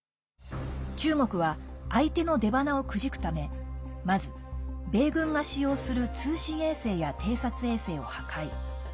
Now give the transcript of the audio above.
中国は、相手の出ばなをくじくためまず米軍が使用する通信衛星や偵察衛星を破壊。